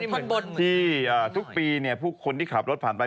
มีแผลภาพของเกษตรนะครับ